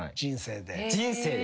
人生で。